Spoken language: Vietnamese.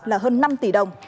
là hơn năm tỷ đồng